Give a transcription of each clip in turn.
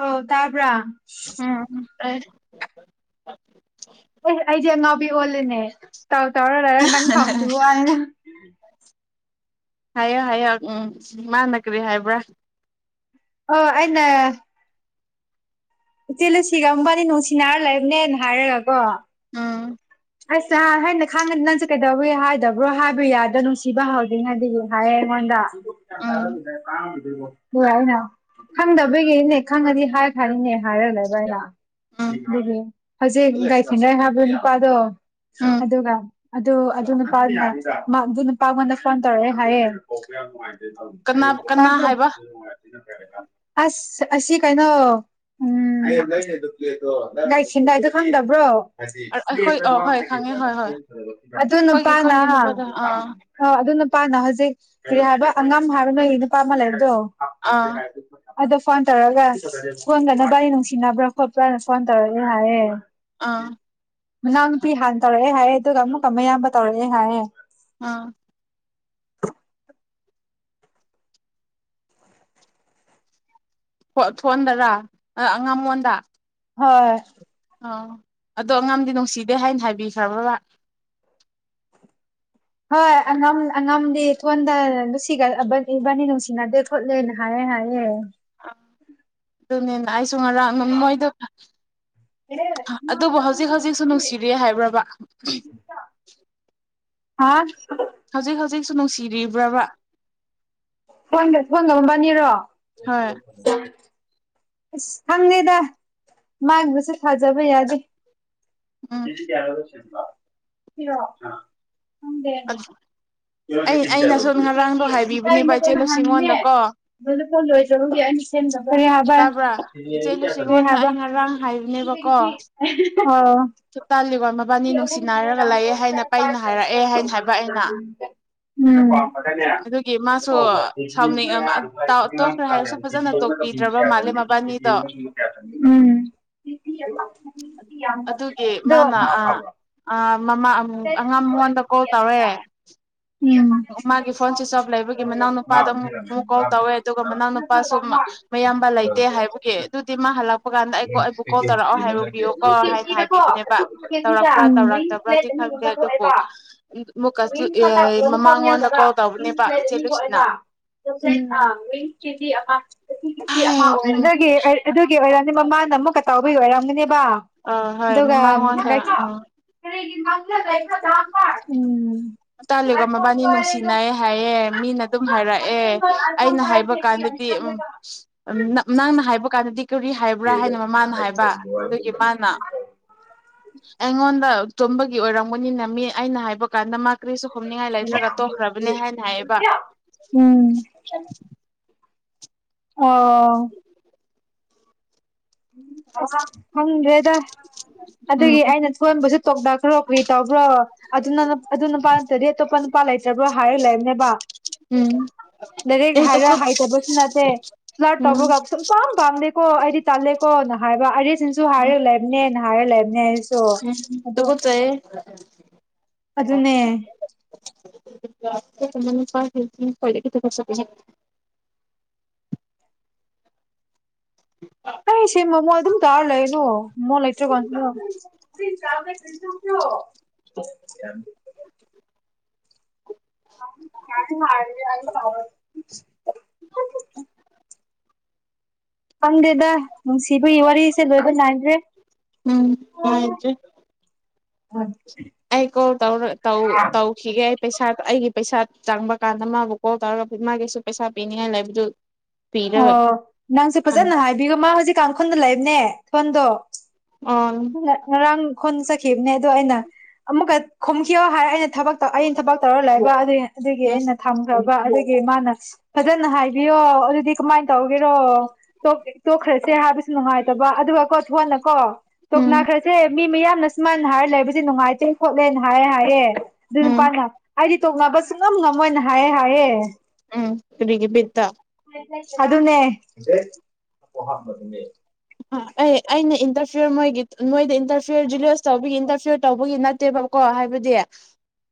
ꯑꯣ ꯇꯥꯕꯥ ꯎꯝ ꯑꯦꯁ ꯑꯩꯁꯦ ꯑꯅꯥꯕꯤ ꯑꯣꯜꯂꯤꯅꯦ ꯇꯧ ꯇꯧꯔ ꯂꯩꯔꯦ ꯅꯪ ꯊꯝꯈꯤꯕꯅ ꯍꯥꯏꯌꯣ ꯍꯥꯏꯌꯣ ꯎꯝ ꯃꯥꯅ ꯀꯔꯤ ꯍꯥꯏꯕ꯭ꯔꯥ ꯑꯣ ꯑꯅ ꯏꯆꯤ ꯂꯨꯁꯤꯒꯝꯕꯅꯤ ꯅꯨꯡꯁꯤ ꯔ ꯂꯩꯕꯅꯦꯅ ꯍꯥꯏꯔꯒ ꯀꯣ ꯎꯝ ꯑꯁ ꯅꯍ ꯍꯥꯏꯩꯅ ꯈꯪꯉꯅꯤ ꯅꯪꯁꯨ ꯀꯩꯗꯧ ꯍꯥꯏꯗꯕ꯭ꯔꯣ ꯍꯥꯏꯕ ꯌꯥꯗꯣ ꯅꯨꯡꯁꯤꯕ ꯍꯧꯥꯎꯗꯉꯗꯤ ꯍꯥꯏꯌꯦ ꯑꯩꯉꯣꯟꯗ ꯎꯝ ꯇꯔꯒ ꯀ [unintelligible] ꯍꯣꯏ ꯑꯩꯅ ꯈꯪꯗꯕꯩꯒꯤꯅꯦ ꯈꯪꯉꯗꯤ ꯍꯥꯏ ꯈꯔꯤꯅꯦ ꯍꯥꯏꯔ ꯂꯩꯕꯥꯏꯔ ꯎꯝ ꯑꯗꯨ ꯍꯧꯖꯤꯛ ꯒꯥꯏ ꯊꯤꯉꯥꯏ ꯍꯥꯏꯕꯣ ꯅꯨꯄꯥꯗꯣ ꯎꯝ ꯑꯗꯨꯒꯒ ꯑꯗꯨ ꯑꯗꯨ ꯑꯗꯨ ꯅꯨꯄꯥꯉꯣꯟꯗ ꯐꯣꯟ ꯇꯧꯔꯦ ꯍꯥꯏꯌꯦ ꯀꯅꯥ ꯀꯅꯥ ꯍꯥꯏꯕ [unintelligible] ꯑꯁꯤ ꯀꯩꯅꯣ ꯎꯝ ꯥꯏ ꯁꯦꯟꯗꯥꯏꯗ ꯈꯪꯗꯕ꯭ꯔꯣ ꯍꯥꯏ ꯏ ꯑꯩꯈꯣꯏ ꯑ ꯃꯥ ꯍꯣꯏ ꯈꯪꯉꯦ ꯍꯣꯏ ꯍꯣꯏ ꯑꯗꯨ ꯑꯩꯈꯣꯏꯒꯤ ꯅꯨꯄꯥꯅ ꯑꯩꯈꯣꯏꯒꯤ ꯅꯨꯄꯥꯗꯣ ꯑꯥ ꯑ ꯑꯗꯨ ꯅꯨꯄꯥꯅ ꯍꯧꯖꯤꯛ ꯍꯥꯏꯕ ꯑꯉꯥꯡ ꯍꯥꯏꯕ ꯅꯣꯏ ꯅꯨꯄꯥ ꯑꯃ ꯂꯩꯔꯗꯣ ꯑꯥ ꯑꯗꯣ ꯐꯣꯟ ꯇꯧꯔꯒ ꯐꯣꯟꯗꯅꯕꯒꯤ ꯅꯨꯡꯁꯤꯅꯕ꯭ꯔꯥ ꯈꯣꯠꯄ꯭ꯔꯥꯅ ꯐꯣꯟ ꯇꯧꯔꯒꯦ ꯍꯥꯏꯌꯦ ꯑꯥ ꯃꯅꯥꯎ ꯅꯨꯄꯤ ꯍꯥꯟ ꯇꯧꯔꯛꯑꯦ ꯍꯥꯏꯌꯦ ꯑꯗꯨꯒ ꯑꯃꯨꯛꯀ ꯑꯃ ꯑꯌꯥꯝꯕ ꯇꯧꯔꯛꯑꯦ ꯍꯥꯏꯌꯦ ꯑꯥ ꯊꯣꯟꯗꯔ ꯑꯉꯥꯝꯕꯣꯟꯗ ꯍꯣꯏ ꯑꯣ ꯑꯗꯣ ꯑꯉꯝꯗꯤ ꯅꯨꯡꯁꯤꯗꯦ ꯍꯥꯏꯅ ꯍꯥꯏꯕꯤꯈ꯭ꯔꯕꯕ ꯍꯣꯏ ꯑꯉꯝ ꯑꯉꯝꯗꯤ ꯊꯣꯟꯗ ꯅꯨꯡꯁꯤꯒꯕ ꯏꯕꯥꯅꯤ ꯅꯨꯡꯁꯤꯅꯗꯦ ꯈꯣꯠꯂꯦꯅ ꯍꯥꯏꯔ ꯍꯥꯏꯌꯦ ꯑꯗꯨꯅꯦꯅ ꯑꯩꯁꯨ ꯉꯔꯥꯡ ꯃꯣꯏꯗ ꯑꯗꯨꯕꯨ ꯍꯧꯖꯤꯛ ꯍꯧꯖꯤꯛꯁꯨ ꯅꯨꯡꯁꯤꯔꯤꯦ ꯍꯥꯏꯕ꯭ꯔꯕ ꯍꯥꯥ ꯍꯧꯖꯤꯛ ꯍꯧꯖꯤꯛꯁꯨ ꯅꯨꯡꯁꯤꯔꯤꯕ꯭ꯔꯕ ꯐꯣꯟꯒ ꯐꯣꯟꯒꯝꯕꯅꯤꯔꯣ ꯍꯣꯏ ꯑꯁ ꯈꯪꯉꯦꯗ ꯃꯥꯕꯁꯨꯦ ꯊꯥꯖꯕ ꯌꯥꯗꯦ ꯎꯝ [unintelligible] ꯑꯩ ꯑꯩꯅꯁꯨ ꯉꯔꯥꯡꯗꯣ ꯀ ꯍꯥꯏꯕꯤꯕꯅꯦꯕ ꯏꯅ ꯏꯆꯦ ꯇꯅ ꯍꯅꯦ ꯂꯨꯁꯤꯉꯣꯟꯗꯀꯣ ꯕꯤꯜꯀꯜ ꯑꯣꯏꯣꯏꯖꯔꯨꯗꯤ ꯑ ꯁꯦꯝꯅꯕ ꯇꯥꯕ꯭ꯔꯥ ꯏꯆꯦ ꯍ ꯂꯨꯆꯤꯉꯣꯟꯗ ꯑꯩ ꯉꯔꯥꯡ ꯍ ꯍꯥꯏꯕꯅꯦꯕꯀꯣ ꯍ ꯑꯅ ꯁꯨꯛꯇꯥꯟ ꯂꯤꯂꯣꯟ ꯃꯕꯥꯅꯤ ꯌꯥꯝꯔ ꯅꯨꯡꯁꯤꯅꯔꯒ ꯂꯩꯌꯦ ꯍꯥꯏꯅ ꯄꯩꯅ ꯀꯥꯏ ꯍꯥꯏꯔꯛꯑꯦ ꯍꯥꯏꯅ ꯍꯥꯏꯕ ꯑꯩꯅ ꯄ ꯎꯝ ꯑꯗꯨꯒꯤ ꯃꯥꯁꯨ ꯁꯥꯎꯅꯤꯡ ꯇꯣꯛꯈ꯭ꯔꯦ ꯆ ꯍꯥꯏꯔꯁꯨ ꯐꯖꯅ ꯇꯣꯛꯄꯤꯗ꯭ꯔꯕ ꯃꯥꯜꯂꯦ ꯃꯕꯥꯅꯤꯗꯣ ꯎꯝ ꯑꯗꯨꯒꯤ ꯃꯥꯅ ꯑꯥ ꯐꯕ ꯃꯃꯥ ꯑꯉꯥꯡ ꯃꯉꯣꯟꯗ ꯀꯣꯜ ꯇꯧꯔꯦ ꯃꯥꯒꯤ ꯐꯣꯟ ꯁ꯭ꯋꯤꯆ ꯑꯣꯞ ꯂꯩꯕꯒꯤ ꯃꯅꯥꯎ ꯅꯨꯄꯥꯗ ꯑꯃꯨꯛ ꯑꯃꯨꯛ ꯀꯣꯜ ꯇꯧꯋꯦ ꯑꯗꯨꯒ ꯃꯅꯥꯎ ꯅꯨꯄꯥꯁꯨ ꯑꯌꯥꯝꯕ ꯂꯩꯇꯦ ꯍꯥꯏꯕꯒꯤ ꯑꯗꯨꯗꯤ ꯃꯥ ꯍꯜꯂꯛꯄ ꯀꯥꯟꯗ ꯑꯩꯣ ꯑꯩꯕꯨ ꯀꯣꯜ ꯇꯧꯔꯛꯑꯣ ꯍꯥꯏꯔꯨꯕꯤꯌꯣꯀꯣ ꯍꯥꯏꯅ ꯍꯥꯏꯕꯤꯕꯅꯦ ꯇꯔꯛꯄ꯭ꯔꯥ ꯇꯧꯔꯛꯇꯕ꯭ꯔꯗꯤ ꯈꯪꯗꯦ ꯑꯗꯨꯕꯨꯨꯛꯀ ꯌꯦꯡꯒ ꯏꯆꯦ ꯑꯅꯤ ꯂꯨꯁꯤꯅ ꯊꯣꯛꯑꯦꯕ ꯀꯦꯖꯤ ꯑꯃ ꯎꯝ ꯑꯗꯨꯒꯤ ꯑꯣꯏꯔꯝꯅꯤ ꯃꯃꯥꯅ ꯑꯃꯨꯛꯀꯇꯥꯎꯕꯒꯤ ꯑꯣꯏꯔꯝꯅꯤꯅꯦ ꯑꯗꯨꯒ ꯑ ꯍꯣꯏ ꯃꯃꯥꯡꯉꯣꯟꯗ ꯎꯝ ꯂꯝꯕ ꯎꯝ ꯇꯥꯜꯂꯤꯒ ꯃꯕꯥꯅꯤ ꯅꯨꯡꯁꯤꯅꯌꯦ ꯍꯥꯏꯌꯦꯦ ꯃꯤꯅ ꯑꯗꯨꯝ ꯍꯥꯏꯔꯛꯑꯦ ꯑꯩꯅ ꯍꯥꯏꯕ ꯀꯥꯟꯗꯗꯤ ꯎ ꯅꯪꯅ ꯍꯥꯏꯕ ꯀꯥꯟꯗꯗꯤ ꯀꯔꯤ ꯍꯥꯏꯕ꯭ꯔꯥ ꯍꯥꯏꯅ ꯃꯃꯥꯅ ꯍꯥꯏꯕ ꯑꯗꯨꯒꯤ ꯃꯥꯅ ꯑꯩꯉꯣꯟꯗ ꯇꯣꯝꯕꯒꯤ ꯑꯣꯏꯔꯝꯒꯅꯤ ꯅꯝꯃꯤ ꯑꯩꯅ ꯍꯥꯏꯕ ꯀꯥꯟꯗ ꯃꯥ ꯀ꯭ꯔꯤꯁꯨ ꯍꯣꯝꯅꯤꯡꯉꯥꯏ ꯂꯩꯇ꯭ꯔꯒ ꯇꯣꯛꯈ꯭ꯔꯕꯅꯦ ꯍꯥꯏꯅ ꯍꯥꯏꯌꯦꯕ ꯎꯝ ꯑꯣ ꯍꯪꯦꯗ ꯎꯝ ꯑꯗꯨꯒꯤ ꯑꯩꯅ ꯊꯣꯟꯕꯁꯨ ꯇꯣꯛꯗꯥꯈ꯭ꯔꯣ ꯀꯔꯤ ꯇꯧꯕ꯭ꯔꯣ ꯑꯗꯨꯅ ꯑꯗꯨ ꯅꯨꯄꯥ ꯅꯠꯇꯗꯤ ꯑꯇꯣꯞꯄ ꯅꯨꯄꯥ ꯏꯄꯥ ꯂꯩꯖꯕ꯭ꯔꯣ ꯍꯥꯏꯌꯨ ꯂꯩꯔꯝꯅꯦꯕ ꯎꯝ ꯏꯔꯦꯛ ꯑꯩ ꯍꯥꯏꯔ ꯇꯨꯀꯠ ꯍꯥꯏꯇꯕꯁꯨ ꯅꯠꯇꯦ ꯁꯨꯂꯥꯠ ꯎꯝ ꯇꯧꯕꯒ ꯁ ꯄꯥꯝ ꯄꯥꯝꯗꯦꯀꯣ ꯑꯩꯗꯤ ꯇꯥꯜꯂꯦꯀꯣꯅ ꯍꯥꯏꯕ ꯑꯁꯤꯟꯁꯨ ꯍꯥꯏꯔ ꯂꯩꯕꯅꯦꯅ ꯍꯥꯏꯔ ꯂꯩꯕꯅꯦ ꯁꯣ ꯑꯗꯣ ꯇꯨꯀꯠꯆꯩꯌꯦ ꯑꯗꯨ ꯑꯗꯨꯅꯦ ꯐ ꯀꯋꯥ ꯐꯁ ꯎ ꯑꯩ ꯁꯤ ꯃꯃꯣꯟ ꯑꯗꯨꯝ ꯇꯥꯔ ꯂꯩꯅꯣ ꯃꯣꯟ ꯂꯩꯇ꯭ꯔ ꯀꯥꯟꯁꯤ [unintelligible] ꯃꯥ ꯈꯪꯗꯦꯗ ꯅꯨꯡꯁꯤꯕꯒꯤ ꯋꯥꯔꯤꯁꯦ ꯂꯣꯏꯕ ꯅꯥꯏꯗ꯭ꯔꯦ ꯎꯝ ꯗꯔꯤ ꯎꯝ ꯑꯥꯏ ꯀꯣ ꯇꯧ ꯇꯥꯎ ꯇꯥꯎ ꯍꯤꯒꯦ ꯄꯩꯁꯥ ꯑꯩꯒꯤ ꯄꯩꯁꯥ ꯆꯪꯕ ꯀꯥꯟꯗ ꯃꯥꯕꯨ ꯀꯣꯜ ꯇꯧꯔꯒ ꯃꯥꯒꯤꯁꯨ ꯄꯩꯁꯥ ꯄꯤꯅꯤꯡꯉꯥꯏ ꯂꯩꯕꯗꯨ ꯄꯤꯔꯒ ꯑꯣ ꯅꯪꯁꯨꯦ ꯐꯖꯅ ꯍꯟꯒꯦ ꯍꯥꯏꯕꯤꯌꯨ ꯃꯥ ꯍꯧꯖꯤꯛ ꯀꯥꯡꯈꯨꯜꯗ ꯂꯩꯕꯅꯦ ꯊꯣꯟꯗꯣ ꯑꯣ ꯎꯝ ꯔꯪ ꯈꯣꯟꯅ ꯆꯠꯈꯤꯕꯅꯦ ꯑꯗꯣ ꯑꯩꯅ ꯑꯃꯨꯛꯀ ꯈꯣꯝꯈꯤꯌꯣ ꯍꯥꯏꯔ ꯑꯩꯅ ꯊꯕꯛ ꯑꯩꯅ ꯊꯕꯛ ꯇꯧꯔ ꯂꯩꯕ ꯑꯗꯨꯒꯤ ꯑꯗꯨꯒꯤ ꯑꯩꯅ ꯊꯝꯈ꯭ꯔꯕ ꯑꯗꯨꯒꯤ ꯃꯥꯅ ꯐꯖꯅ ꯍꯥꯏꯕꯤꯌꯣ ꯑꯗꯨꯗꯤ ꯀꯃꯥꯏꯅ ꯇꯧꯒꯦꯔꯣ ꯇꯣꯛꯈ꯭ꯔꯁꯦ ꯍꯥꯏꯕ ꯅꯨꯡꯉꯥꯏꯇꯕꯥ ꯑꯗꯨꯒ ꯀꯣ ꯊꯣꯟꯅꯀꯣ ꯇꯣꯛ ꯎꯝ ꯅꯥꯈ꯭ꯔꯁꯦ ꯃꯤ ꯃꯌꯥꯝꯅꯥ ꯏꯁꯃꯥꯟ ꯍꯥꯏꯔ ꯂꯩꯕꯁꯦ ꯅꯨꯡꯉꯥꯏꯇꯦ ꯈꯣꯠꯂꯦꯅ ꯍꯥꯏꯔ ꯍꯥꯏꯌꯦ ꯑꯗꯨ ꯎꯝ ꯅꯨꯄꯥꯅ ꯑꯩꯗꯤ ꯇꯣꯛꯅꯕꯁꯨ ꯉꯝ ꯉꯝꯃꯣꯏꯅ ꯍꯥꯏꯌꯦ ꯍꯥꯏ ꯎꯝ ꯐꯔꯤꯒ ꯕꯤꯠꯇꯥ ꯑꯗꯨꯅꯦ ꯑꯦ ꯑꯩꯅ ꯏꯟꯇꯔꯐꯤꯌꯔ ꯃꯣꯏꯒꯤ ꯅꯣꯏꯗ ꯏꯟꯇꯔꯐꯤꯌꯔ ꯖꯤꯂꯁ ꯇꯧꯕꯒꯤ ꯏꯟꯇꯔꯐꯤꯌꯔ ꯇꯧꯕꯒꯤ ꯅꯠꯇꯦꯕ ꯍꯥꯏꯕꯗꯤ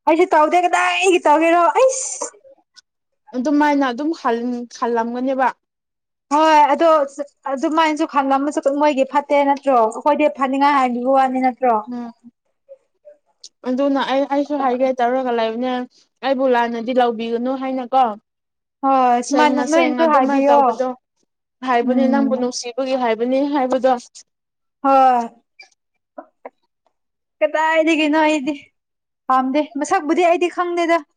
ꯑꯩꯩꯁꯦ ꯇꯧꯗ ꯀꯗꯥ ꯑꯩꯒꯤ ꯇꯧꯒꯦꯔꯣ ꯑꯩꯁ ꯑꯗꯨꯃꯥꯏꯅ ꯑꯗꯨꯝ ꯈꯜꯂꯝꯒꯅꯦꯕ ꯍꯣꯏ ꯑꯗꯣ ꯑꯗꯨꯃꯥꯏꯅꯁꯨ ꯈꯪꯁꯨ ꯃꯣꯏꯒꯤ ꯐꯠꯇꯦ ꯅꯠꯇ꯭ꯔꯣ ꯑꯩꯈꯣꯏꯗꯤ ꯐ ꯍꯥꯏꯒ ꯋꯥꯅꯤꯅ ꯎꯝ ꯑꯗꯨꯅ ꯑꯩ ꯑꯩꯁꯨ ꯍꯥꯏꯒꯦ ꯇꯧꯔꯒ ꯂꯩ ꯑꯗꯨꯩꯅ ꯑꯩꯕꯨ ꯂꯥꯟꯅꯗꯤ ꯂꯧꯕꯤꯒꯅꯨ ꯍꯥꯏꯅꯀꯣ ꯍꯣꯏ ꯁꯦꯡ ꯁꯨꯃꯥꯏꯅ ꯉ ꯁꯦꯡ ꯅꯣꯏꯅꯁꯨ ꯑꯗꯨꯃꯥꯏꯅ ꯍꯥꯏꯕꯤꯌꯣ ꯇꯧꯕꯗꯣ ꯍꯥꯏꯕꯅꯦ ꯅꯪꯕꯨ ꯎꯝ ꯅꯨꯡꯁꯤꯕꯒꯤ ꯍꯥꯏꯕ ꯅꯦ ꯍꯥꯏꯕꯗꯣ ꯑ ꯍꯣꯏ ꯀꯗꯥꯏꯗꯒꯤꯅꯣ ꯑꯩꯗꯤ ꯄꯥꯝꯗꯦ ꯃꯁꯛꯕꯨꯗꯤ ꯑꯩꯗꯤ ꯈꯪꯗꯦꯗ [inaudible]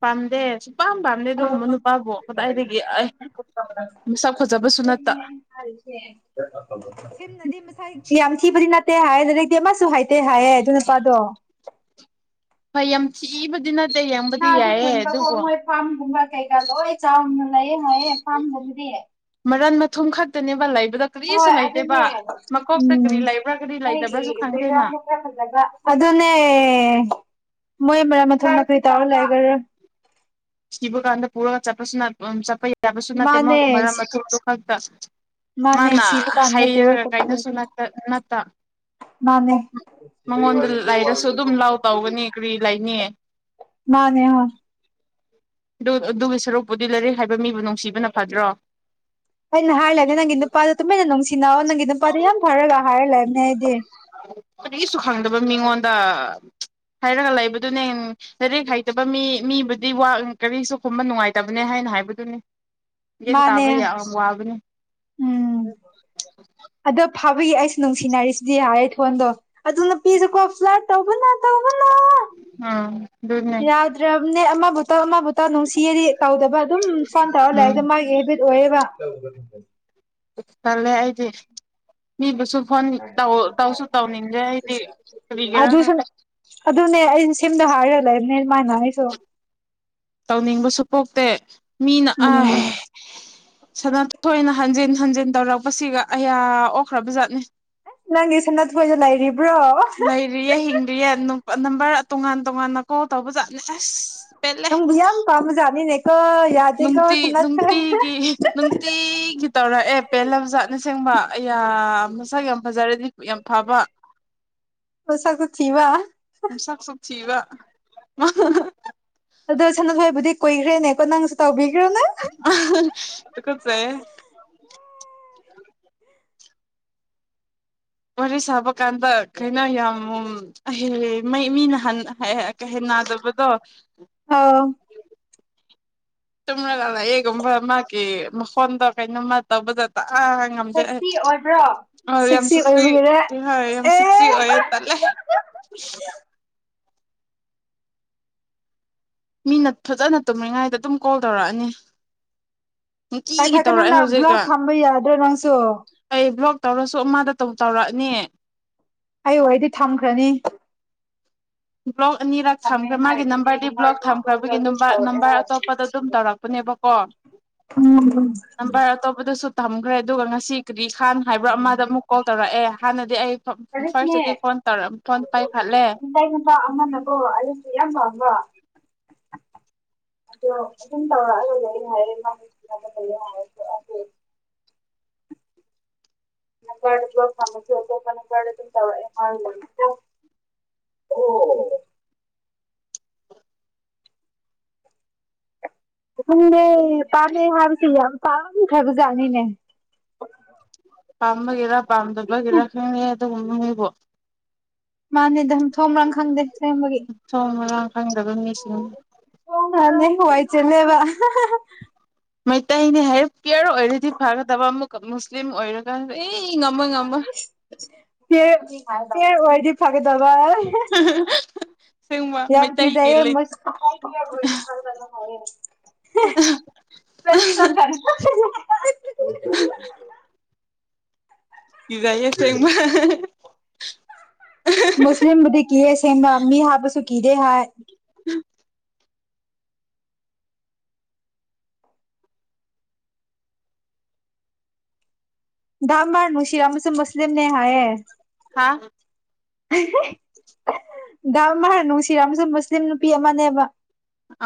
ꯄꯥꯝꯗꯦ ꯁꯨꯄꯥꯝ ꯄꯥꯝꯗꯦ ꯑꯗꯨꯒꯨꯝꯕ ꯅꯨꯄꯥꯕꯨ ꯀꯗꯥꯏꯗꯒꯤ ꯑꯩ ꯐ ꯃꯁꯛ ꯐꯖꯕꯁꯨ ꯅꯠꯇ ꯅ ꯌꯥꯝ ꯊꯤꯕꯗꯤ ꯅꯠꯇꯦ ꯍꯥꯏꯌꯦ ꯂꯩꯗꯛꯇꯗꯤ ꯑꯃꯁꯨ ꯍꯥꯏꯇꯦ ꯍꯥꯏꯑ ꯑꯗꯨ ꯅꯨꯄꯥꯗꯣ ꯑꯩ ꯑꯕ ꯅ ꯅ ꯑꯗꯤ ꯈꯣꯏꯟꯗ ꯀꯧꯕꯣꯣꯏ ꯄꯥꯝ ꯀꯩꯀꯣ ꯑꯩ ꯆꯥꯎꯥꯅ ꯂꯩꯌꯦ ꯍꯥꯏꯌꯦ ꯐꯥꯝ ꯂꯒꯗꯤꯑ ꯃꯔꯟ ꯃꯊꯨꯝ ꯈꯛꯇꯅꯦꯕ ꯂꯥꯏꯐ ꯍꯣꯏ ꯑꯗꯨꯅꯦ ꯎꯝ ꯀꯔꯤ ꯂꯩꯕ꯭ꯔꯥ ꯀꯔꯤ ꯅꯣꯏꯒꯤ ꯂꯩꯇꯕ꯭ꯔꯥꯁꯨ ꯈꯪꯗꯦꯅ ꯕꯦꯛꯒ꯭ꯔꯥꯎꯟꯃꯛꯇ ꯐꯖꯕ ꯑꯗꯨꯅꯦ ꯃꯣꯏ ꯃꯔꯛ ꯃꯊꯨꯝ ꯃꯈ ꯀꯩ ꯇꯥꯔ ꯂꯩꯈꯔ ꯁꯤꯕ ꯀꯥꯟꯗ ꯄꯨꯔꯒ ꯆꯠꯄꯁꯨ ꯎ ꯆꯠꯄ ꯌꯥꯕꯁꯨ ꯅꯠꯇꯦ ꯃꯥ ꯃꯥꯅꯦ ꯃꯔꯝ ꯃꯊꯗꯨ ꯈꯛꯇ ꯃꯥꯅꯦ ꯃꯥꯅ ꯁꯤꯕ ꯀꯥꯟꯗ ꯄꯨꯔ ꯍꯩꯔꯒ ꯀꯞꯄ ꯀꯩꯅꯁꯨ ꯅꯠꯇ ꯃꯥꯅꯦ ꯃꯉꯣꯟꯗ ꯂꯩꯔꯁꯨ ꯑꯗꯨꯝ ꯂꯥꯎ ꯇꯧꯒꯅꯤ ꯀꯔꯤ ꯂꯩꯅꯤꯌꯦ ꯅꯦ ꯍꯔ ꯑꯗꯨ ꯑꯗꯨꯒꯤ ꯁꯔꯨꯛꯄꯨꯗꯤ ꯂꯩꯔꯦ ꯍꯥꯏꯕ ꯃꯤꯕꯨ ꯅꯨꯡꯁꯤꯕꯅ ꯐꯗ꯭ꯔꯣ ꯑꯩꯅ ꯍꯥꯏꯂꯅꯦ ꯅꯪꯒꯤ ꯅꯨꯄꯥꯗ ꯇꯨꯝꯃꯦꯅ ꯅꯨꯡꯁꯤꯅ ꯅꯪꯒꯤꯗ ꯅꯨꯄꯥꯗꯤ ꯌꯥꯝ ꯐꯔꯒ ꯍꯥꯏꯔ ꯂꯩꯕꯅꯦ ꯑꯩꯗꯤ ꯗ ꯍꯥꯏꯔꯒ ꯂꯩꯕꯗꯨꯅꯦ ꯂꯥꯏꯔꯤꯛ ꯍꯩꯇꯕ ꯃꯤ ꯃꯤꯕꯨꯗꯤ ꯋꯥ ꯀꯔꯤꯁꯨ ꯈꯨꯝꯕ ꯅꯨꯡꯉꯥꯏꯇꯕꯅꯦ ꯍꯥꯏ ꯑꯩꯅ ꯍꯥꯏꯕꯗꯨꯅꯤ ꯌꯦꯟ ꯃꯥꯅꯦ ꯇꯥꯕ ꯌꯥꯝ ꯋꯥꯕꯅꯤ ꯎꯝ ꯑꯗꯣ ꯐꯥꯕꯤꯒꯤ ꯑꯩꯁꯨ ꯅꯨꯡꯁꯤꯅꯔꯤꯁꯤꯗꯤ ꯍꯥꯏꯔꯦ ꯊꯣꯟꯗꯣ ꯑꯗꯨ ꯅꯨꯄꯤꯁꯨꯀꯣ ꯐ꯭ꯂꯠ ꯇꯕꯨꯅ ꯇꯧꯕꯅ ꯎꯝ ꯑꯗꯨꯅꯦ ꯌꯥꯗ꯭ꯔꯦ ꯑꯝꯅꯦ ꯑꯃꯕꯨ ꯅꯨꯡꯁꯤꯔꯗꯤ ꯇꯧꯗꯕ ꯑꯗꯨꯝ ꯁꯣꯟ ꯇꯧꯔ ꯂꯩꯕꯗ ꯎꯝ ꯃꯥꯒꯤ ꯍꯦꯕꯤꯠ ꯑꯣꯏꯌꯦꯕ ꯃꯤꯕꯁꯨ ꯐꯣꯟ ꯇꯧꯁꯨ ꯇꯧꯅꯤꯡꯗꯦ ꯑꯩꯗꯤ ꯀꯔꯤꯒꯦꯔꯥ ꯈ ꯑꯗꯨꯁꯨ ꯑꯗꯨꯅꯦ ꯑꯩꯅ ꯁꯦꯝꯗ ꯍꯥꯏꯔ ꯂꯩꯕꯅꯦ ꯏꯃꯅ ꯑꯩꯁꯨ ꯇꯧꯅꯤꯡꯕꯁꯨ ꯄꯣꯛꯇꯦ ꯃꯤꯅ ꯎꯝ ꯁꯅ ꯊꯣꯏꯅ ꯍꯟꯖꯤꯟ ꯍꯟꯖꯤꯟ ꯇꯧꯔꯛꯄꯁꯤꯒ ꯑꯌꯥ ꯑꯣꯛꯈ꯭ꯔꯕꯖꯥꯠꯅꯦ ꯅꯪꯒꯤ ꯁꯅ ꯊꯣꯏꯗ ꯂꯥꯏꯔꯤ ꯂꯩꯔꯤꯌꯦ ꯍꯤꯡꯗ꯭ꯔꯤꯌꯦ ꯅꯝꯕꯔ ꯇꯣꯉꯥꯟ ꯇꯣꯉꯥꯟꯅ ꯀꯣꯜ ꯇꯧꯕ ꯆꯥꯠꯂ ꯑꯁ ꯄꯦꯜꯂꯦ ꯌꯥꯝ ꯄꯝꯖꯅꯤꯅꯦ ꯅꯨꯡꯇꯤ ꯅꯨꯡꯇꯤꯒꯤ ꯅꯨꯡꯇꯤꯒꯤ ꯇꯧꯔꯛꯑꯦ ꯄꯦ ꯂꯝꯖꯥꯠꯅ ꯁꯦꯡꯕ ꯑ ꯃꯁꯛ ꯌꯥꯝ ꯐꯖꯔꯗꯤ ꯌꯥꯝ ꯐꯕ ꯄꯁꯒ ꯊꯕ ꯤꯕ ꯑꯗꯨꯗꯣ ꯁꯅ ꯍꯣꯏꯕꯨꯗꯤ ꯀꯨꯈ꯭ꯔꯦꯅꯦꯀꯣ ꯅꯪꯁꯨ ꯇꯥꯎꯤꯈ꯭ꯔꯣ ꯅꯪ ꯇ ꯀꯆꯦ ꯋꯥꯔꯤ ꯁꯥꯕ ꯀꯥꯟꯗ ꯀꯩꯅꯣ ꯌꯥꯝꯍ ꯃꯤ ꯅꯍꯥꯟ ꯀꯩꯍꯦ ꯅꯥꯗꯕꯗꯣ ꯑꯥꯎ ꯇꯨꯝ꯭ꯔꯒꯥꯂ ꯑꯦꯒꯨꯝꯕ ꯃꯥꯒꯤ ꯃꯈꯣꯟꯗ ꯀꯩꯅꯣꯝꯃ ꯇꯧꯕꯗꯗ ꯇꯦꯛꯁꯤ ꯑꯣꯏꯕ꯭ꯔꯣ ꯑꯩ ꯌꯥꯝ ꯁꯤꯛꯁꯁꯤ ꯁꯤꯛꯁꯤ ꯑꯣꯏꯕꯒꯤꯔꯦ ꯍꯣꯏ ꯌꯥꯝ ꯁꯤꯛꯁꯤ ꯑꯦ ꯑꯣꯏꯌꯦ ꯇꯠꯂꯦ ꯃꯤꯅ ꯐꯖꯅ ꯇꯨꯝꯃꯤꯉꯥꯏꯗ ꯑꯗꯨꯝ ꯀꯣꯜ ꯇꯧꯔꯛꯑꯅꯤ ꯇꯤꯒꯤ ꯇꯧꯔꯛꯑꯦ ꯄꯥꯏꯈꯠꯀꯅꯨꯅ ꯕ꯭ꯂꯣꯛ ꯍꯧꯖꯤꯛꯀ ꯊꯝꯕ ꯌꯥꯗ꯭ꯔꯣ ꯅꯪꯁꯨ ꯑꯩ ꯭ꯂꯣꯛ ꯇꯧꯔꯁꯨ ꯑꯃꯗ ꯇꯧ ꯇꯧꯔꯛꯑꯅꯤ ꯑꯩ ꯑꯣꯏꯗꯤ ꯊꯝꯈ꯭ꯔꯅꯤ ꯕ꯭ꯂꯣꯛ ꯑꯅꯤꯔꯛ ꯊꯝꯈ꯭ꯔꯦ ꯃꯥꯒꯤ ꯅꯝꯕꯔꯗꯤ ꯕ꯭ꯂꯣꯛ ꯊꯝꯈ꯭ꯔꯕꯒꯤ ꯅꯝꯕꯔ ꯑꯇꯣꯞꯄꯗ ꯑꯗꯨꯝ ꯇꯧꯔꯛꯄꯅꯦꯕꯀꯣ ꯑ ꯎꯝ ꯊꯝꯈ꯭ꯔꯦ ꯑꯗꯨꯒ ꯉꯁꯤ ꯀꯔꯤ ꯈꯥꯟ ꯍꯥꯏꯕ꯭ꯔꯥ ꯑꯃꯗ ꯑꯃꯨꯛ ꯀꯣꯜ ꯇꯧꯔꯛꯑꯦ ꯍꯥꯟꯅꯗꯤ ꯑꯩ ꯀꯗꯅꯦ ꯐꯥꯔꯁꯇꯗꯤ ꯐꯣꯟ ꯇꯧꯔ ꯐꯣꯟ ꯄꯥꯏꯈꯠꯂꯦ ꯏ ꯏ ꯃꯅꯀꯣ ꯑꯁꯨ ꯌꯥꯝꯕꯝꯕ ꯑꯗꯣ ꯑꯗꯨꯝ ꯇꯧꯔꯛꯑꯒ ꯂꯩ ꯍꯥꯏꯔꯌꯦꯦ ꯃꯥꯒꯤ ꯂꯩ ꯍꯥꯏꯔ ꯅꯪ ꯀꯔꯗꯁꯨ ꯐꯪꯁꯨ ꯑꯇꯣꯞꯄ ꯅꯪ ꯀꯔꯗ ꯑꯗꯨꯝ ꯇꯧꯔꯛꯑꯦ ꯃꯥꯦ ꯑꯣ ꯈꯪꯗꯦ ꯄꯥꯝꯃꯦꯩ ꯍꯥꯏꯕꯁꯦ ꯌꯥꯝ ꯄꯥꯝꯈ꯭ꯔꯕꯖꯥꯠꯅꯤꯅꯦ ꯄꯥꯝꯕꯒꯔ ꯄꯥꯝꯗꯨꯂꯒꯔ ꯈ ꯑꯗꯨ ꯎꯉꯕꯣ ꯃꯥꯅꯤꯗꯝ ꯊꯣꯕ꯭ꯔꯥ ꯈꯪꯗꯦ ꯁꯦꯝꯕꯒꯤ ꯎꯝ ꯋꯥꯏ ꯆꯦꯅꯦꯕ ꯃꯩꯇꯩꯅꯤ ꯍꯥꯏ ꯄꯤꯌꯔ ꯑꯣꯏꯔꯗꯤ ꯐꯒꯗꯕ ꯑꯃꯨꯛꯀ ꯃꯨꯁꯂꯤꯝ ꯑꯣꯏꯔꯒ ꯑꯦ ꯉꯝꯕ ꯉꯝꯕ ꯀꯦ ꯑꯣꯏꯥꯏꯗꯤ ꯐꯒꯦꯗꯕ [unintelligible] ꯍ ꯃꯩꯇꯩꯒꯤ ꯀꯖꯌꯦꯦ ꯂꯤꯟ ꯃꯁ ꯐꯅꯤ ꯆꯪꯒꯅꯤ ꯏ ꯇꯦꯡꯃ ꯃꯁꯂꯤꯝꯕꯨꯗꯤ ꯀꯌꯦ ꯁꯤꯕꯥꯃꯤ ꯍꯥꯕꯁꯨ ꯀꯗꯦ ꯍꯥꯏ ꯥꯃꯔ ꯃꯨꯁꯤꯔ ꯑꯃꯁꯨꯡꯁꯨ ꯃꯁꯂꯤꯝ ꯅ ꯍꯥꯏꯌꯦ ꯍꯥ ꯑꯃꯔ ꯅꯨꯡꯁꯤꯔ ꯑꯃꯁꯨ ꯃꯨꯁꯂꯤꯝ ꯅꯨꯄꯤ ꯑꯃꯅꯦꯕ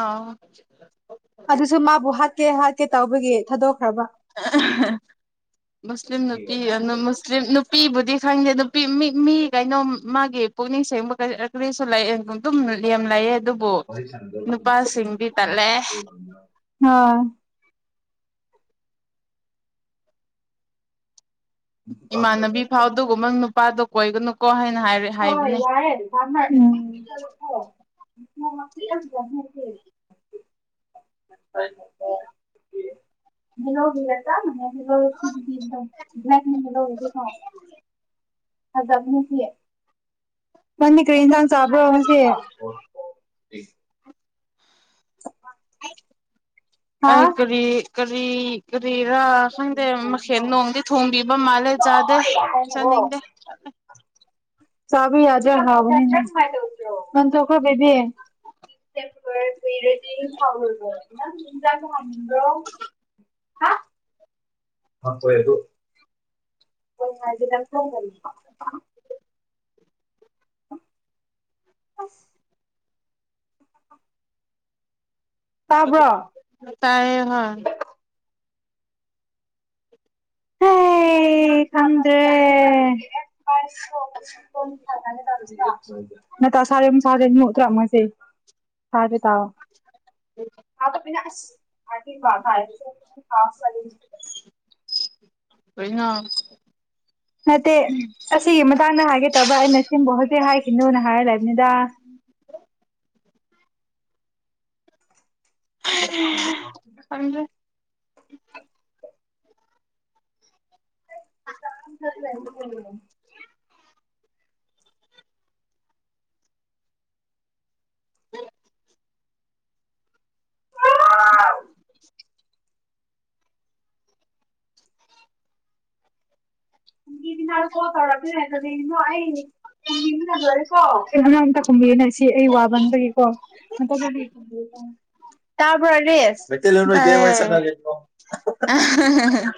ꯑꯥꯎ ꯑꯗꯨꯁꯨ ꯃꯥꯕꯨ ꯍꯥꯠꯀꯦ ꯍꯥꯠꯀꯦ ꯇꯧꯕꯒꯤ ꯊꯥꯗꯣꯛꯈ꯭ꯔꯕ ꯃꯁꯂꯤꯝ ꯅꯨꯄꯤꯁꯂꯤꯝ ꯅꯨꯄꯤꯕꯨꯗꯤ ꯈꯪꯗꯦ ꯑꯗꯨ ꯃꯤ ꯃꯤ ꯀꯩꯅꯣ ꯃꯥꯒꯤ ꯄꯨꯛꯅꯤꯡ ꯁꯦꯡꯕ ꯀ ꯀꯔꯤꯁꯨ ꯂꯩꯑꯦ ꯑꯗꯨꯝ ꯌꯥꯝꯦꯝ ꯂꯩꯑ ꯑꯗꯨꯕꯨ ꯅꯨꯄꯥꯁꯤꯡꯗꯤ ꯇꯠꯂꯦ ꯑ ꯏꯃꯥꯟꯅꯕꯤ ꯐꯥꯎꯗꯒꯨꯝ ꯅꯪ ꯅꯨꯄꯥꯗꯣ ꯀꯣꯏꯒꯅꯨꯀꯣ ꯍꯥꯏꯅ ꯍꯥꯏꯔꯦ ꯍꯣꯏ ꯍꯥꯏꯕꯅꯦ ꯌꯥꯏ ꯌꯥꯝ [unintelligible] [unintelligible] ꯃꯂꯣꯒ ꯍꯂ꯭ꯂ ꯃꯂ ꯍꯖꯕꯅꯤꯁꯤꯑ ꯅꯅꯤ ꯀꯔꯤꯟꯁꯥꯡ ꯆꯥꯕ꯭ꯔꯣ ꯉꯁꯦ ꯆꯠ ꯑꯩ ꯀꯔꯤ ꯀꯔꯤ ꯀꯔꯤꯔꯥ ꯈꯪꯗꯦ ꯃꯈꯦꯜꯠ ꯅꯣꯡꯗꯤ ꯊꯣꯡꯕꯤꯕ ꯃꯥꯜꯂꯦ ꯆꯥꯗꯦ ꯆꯥꯅꯤꯡꯗꯦ ꯆꯕꯤ ꯌꯥꯖꯔ ꯍꯕ ꯅ ꯎꯝ ꯊꯈ ꯦꯕꯤ ꯎꯝ ꯄꯔꯦꯗꯤ ꯊꯥꯎ ꯊꯖ ꯊꯥꯡꯕ ꯍꯥꯄꯣꯏꯣꯏꯗꯨ ꯍꯣꯏ ꯉꯖꯤꯗ ꯐꯣꯟꯣꯟ ꯑꯁ ꯇꯥꯕ꯭ꯔꯣ ꯇꯥꯏꯌꯦ ꯍꯣꯏ ꯍ ꯈꯪꯗ꯭ꯔꯦ ꯇꯥꯁꯔꯦ ꯁꯥꯔꯦ ꯎ ꯇ꯭ꯔ ꯃꯁꯦ ꯊꯥ ꯊꯣ ꯥꯁ ꯀꯩꯅ ꯅꯠꯇꯦ ꯑꯁꯤꯒꯤ ꯃꯇꯥꯡꯗ ꯍꯥꯏꯒꯦ ꯇꯕ ꯑꯩꯅ ꯁꯤꯕꯨ ꯍꯧꯖꯤꯛ ꯍꯥꯏꯈꯤꯅꯣꯅ ꯍꯥꯏꯔ ꯂꯩꯕꯅꯤꯗ ꯂ ꯎꯝ ꯀ ꯆꯠ ꯍ ꯀꯅꯔ ꯀꯣ ꯇꯧꯔ ꯍꯥꯏꯗꯤꯅꯣ ꯑꯩ ꯀꯨ ꯑꯅꯥꯥꯡꯝꯇ ꯈꯨꯝꯕꯤꯅ ꯁꯤ ꯑꯩ ꯋꯥꯕ ꯅꯒꯤꯀꯣꯗꯤ ꯇ ꯔꯦꯁ ꯦꯔꯁꯅꯣ ꯍ ꯍ